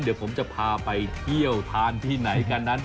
เดี๋ยวผมจะพาไปเที่ยวทานที่ไหนกันนั้น